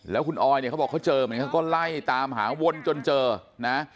แล้วคุณออยเนี่ยเขาบอกเขาเจอเหมือนเขาก็ไล่ตามหาวนจนเจอนะ